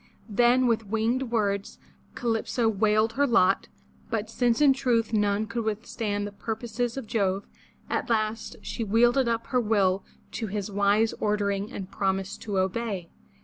*' Then with winged words Calypso wailed her lot, but since in truth none could withstand the purposes of Jove, at last she yielded up her will to his wise ordering and promised to obey.